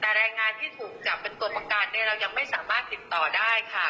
แต่แรงงานที่ถูกจับเป็นตัวประกันเรายังไม่สามารถติดต่อได้ค่ะ